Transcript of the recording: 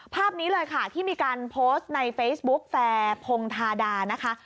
ภาพนี้เลยค่ะที่มีการโพสต์ในเฟซบุ๊กแฟร์พงธาดานะคะ